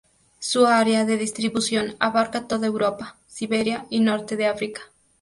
Su área de distribución abarca toda Europa, Siberia y norte de África.